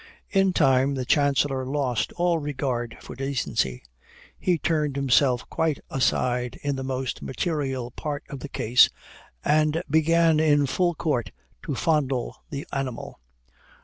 In time the Chancellor lost all regard for decency; he turned himself quite aside in the most material part of the case, and began in full court to fondle the animal.